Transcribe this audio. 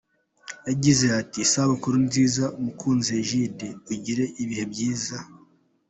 Yagize ati: “Isabukuru nziza mukunzi Egide, Ugire ibihe byiza.